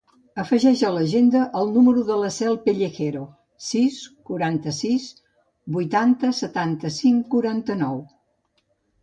Afegeix a l'agenda el número de la Cel Pellejero: sis, quaranta-sis, vuitanta, setanta-cinc, cinquanta-nou.